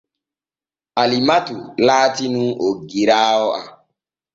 Alimatu laati nun oggiraawo am.